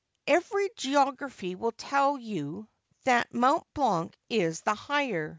Every geography will tell you that Mont Blanc is the higher.